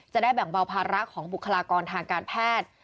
แบ่งเบาภาระของบุคลากรทางการแพทย์